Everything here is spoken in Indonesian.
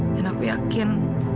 dan aku yakin